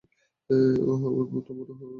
ওহ, আমার তো তা মনে হয় না।